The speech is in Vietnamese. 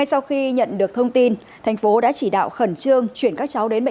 xin chào các bạn